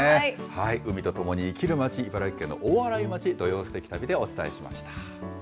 海と共に生きる町、茨城県の大洗町、土曜すてき旅でお伝えしました。